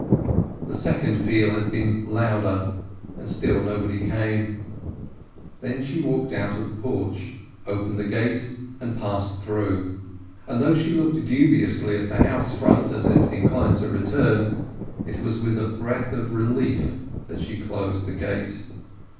The second peal had been louder, and still nobody came. Then she walked out of the porch, opened the gate, and passed through. And though she looked dubiously at the house front as if inclined to return, it was with a breath of relief that she closed the gate.